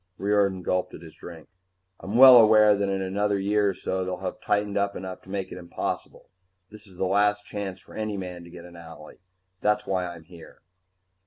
Riordan gulped at his drink. "I'm well aware that in another year or so they'll have tightened up enough to make it impossible. This is the last chance for any man to get an owlie. That's why I'm here."